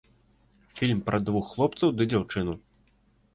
Фільм пра двух хлопцаў ды дзяўчыну.